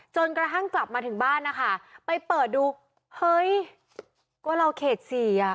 จนกระทั่งกลับมาถึงบ้านนะคะไปเปิดดูเฮ้ยก็เราเขตสี่อ่ะ